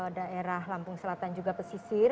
daerah lampung selatan juga pesisir